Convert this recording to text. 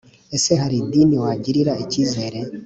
ese hari idini wagirira icyizere